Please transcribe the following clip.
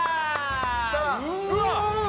うわ！